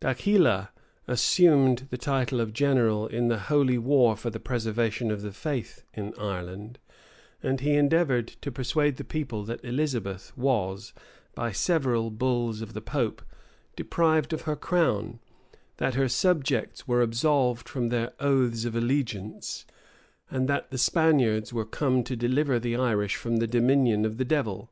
D'Aquila assumed the title of general "in the holy war for the preservation of the faith" in Ireland; and he endeavored to persuade the people that Elizabeth was, by several bulls of the pope, deprived of her crown; that her subjects were absolved from their oaths of allegiance; and that the Spaniards were come to deliver the Irish from the dominion of the devil.